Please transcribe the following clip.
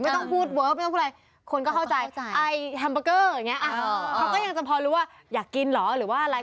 ไม่ต้องพูดเวิร์ฟไม่ต้องพูดอะไร